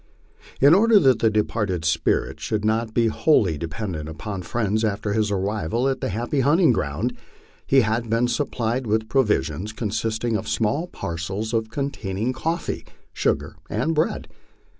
In order that the departed spirit should not be wholly dependent upon friends after his arrival at the happy hunting ground, he had been supplied with provisions, consisting of small parcels con taining coffee, sugar, and bread.